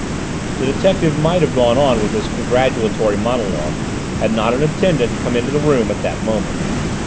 The detective might have gone on with his congratulatory monologue had not an attendant come into the room at that moment.